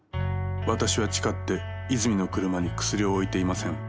「私は誓って泉の車にクスリを置いていません」。